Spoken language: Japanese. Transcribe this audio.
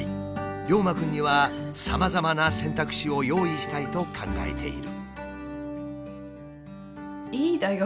りょうまくんにはさまざまな選択肢を用意したいと考えている。